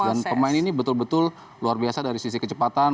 dan pemain ini betul betul luar biasa dari sisi kecepatan